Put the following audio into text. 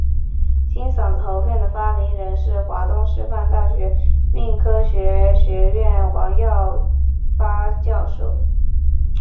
金嗓子喉片的发明人是华东师范大学生命科学学院王耀发教授。